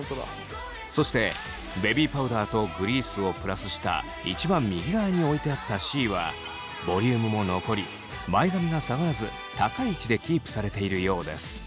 そしてベビーパウダーとグリースをプラスした一番右側に置いてあったＣはボリュームも残り前髪が下がらず高い位置でキープされているようです。